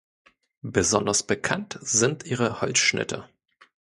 Besonders bekannt sind ihre Holzschnitte.